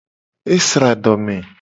Esra adome.